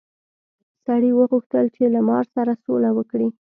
سړي وغوښتل چې له مار سره سوله وکړي.